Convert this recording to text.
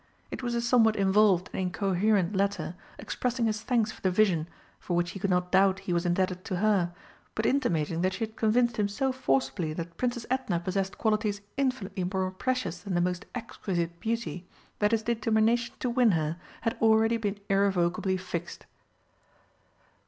It was a somewhat involved and incoherent letter, expressing his thanks for the vision, for which he could not doubt he was indebted to her, but intimating that she had convinced him so forcibly that Princess Edna possessed qualities infinitely more precious than the most exquisite beauty, that his determination to win her had already been irrevocably fixed.